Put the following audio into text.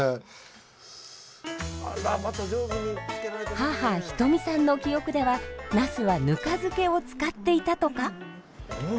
母眸さんの記憶ではナスはぬか漬けを使っていたとか。